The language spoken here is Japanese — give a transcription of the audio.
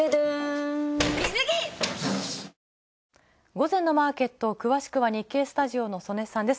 午前のマーケット詳しくは、日経スタジオの曽根さんです。